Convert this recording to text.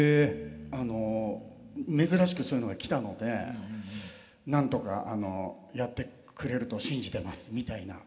あの珍しくそういうのが来たので「なんとかやってくれると信じてます」みたいな。